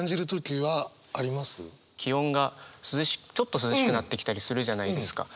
気温がちょっと涼しくなってきたりするじゃないですか。